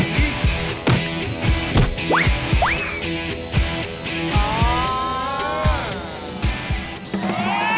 ที่สุดยอด